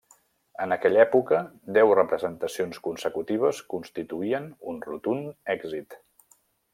En aquella època, deu representacions consecutives constituïen un rotund èxit.